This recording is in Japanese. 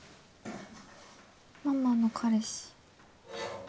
ママの彼氏